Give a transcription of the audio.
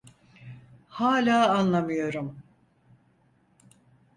Hala anlamıyorum.